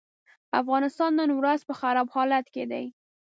افغانستان نن ورځ په خراب حالت کې دی.